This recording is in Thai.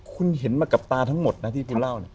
คุณเห็นมากับตาทั้งหมดนะที่คุณเล่าเนี่ย